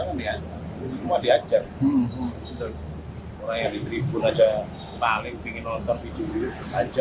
kalau dimukai orang dari tribun menggigit atau lunak memonetikannya